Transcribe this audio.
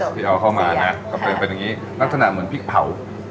เชฟชื่อคุณคิ้มุรานะค้า